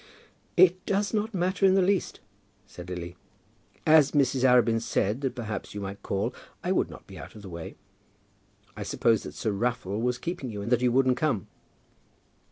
"It does not matter in the least," said Lily. "As Mrs. Arabin said that perhaps you might call, I would not be out of the way. I supposed that Sir Raffle was keeping you and that you wouldn't come."